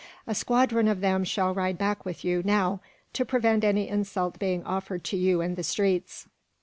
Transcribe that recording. A squadron of them shall ride back with you, now, to prevent any insult being offered to you in the streets."